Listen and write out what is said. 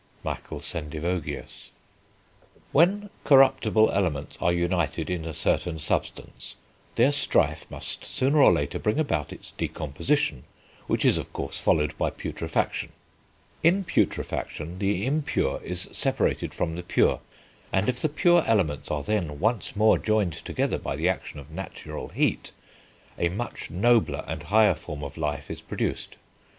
(Michael Sendivogius.) "When corruptible elements are united in a certain substance, their strife must sooner or later bring about its decomposition, which is, of course, followed by putrefaction; in putrefaction, the impure is separated from the pure; and if the pure elements are then once more joined together by the action of natural heat, a much nobler and higher form of life is produced....